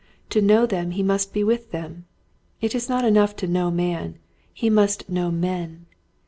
To know them he must be with them. It is not enough to know man, he must know men.